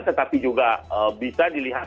tetapi juga bisa dilihat